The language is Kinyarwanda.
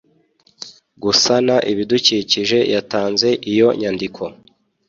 gusana ibidukikije yatanze iyo nyandiko